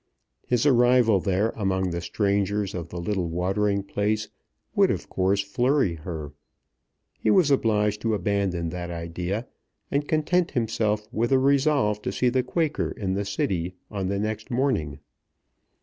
His arrival there among the strangers of the little watering place would of course flurry her. He was obliged to abandon that idea, and content himself with a resolve to see the Quaker in the City on the next morning.